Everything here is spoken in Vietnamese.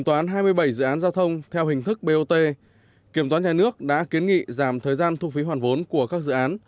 toán hai mươi bảy dự án giao thông theo hình thức bot kiểm toán nhà nước đã kiến nghị giảm thời gian thu phí hoàn vốn của các dự án